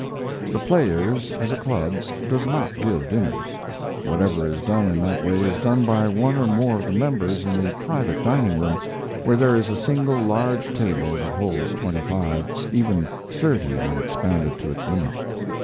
The Players, as a club, does not give dinners. Whatever is done in that way is done by one or more of the members in the private dining room, where there is a single large table that holds twenty five, even thirty when expanded to its limit.